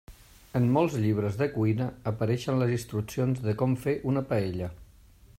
En molts llibres de cuina apareixen les instruccions de com fer una paella.